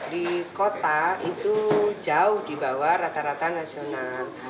di kota itu jauh di bawah rata rata nasional